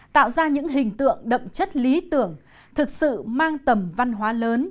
tạo ra những hình tượng đậm chất lý tưởng thực sự mang tầm văn hóa lớn